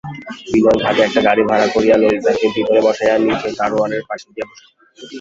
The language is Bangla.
বিনয় ঘাটে একটা গাড়ি ভাড়া করিয়া ললিতাকে ভিতরে বসাইয়া নিজে গাড়োয়ানের পাশে গিয়া বসিল।